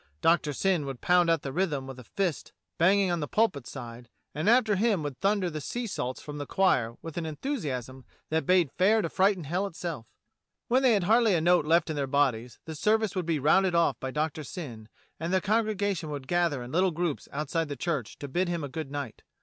Doctor Syn would pound out the rhythm with a fist banging on the pulpit side, and after him would thunder the sea salts from the choir with an enthusiasm that bade fair to frighten hell itself. When they had hardly a note left in their bodies, the service would be rounded off by Doctor Syn, and the congregation would gather in little groups outside the church to bid him a good night.